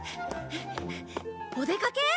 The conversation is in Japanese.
お出かけ？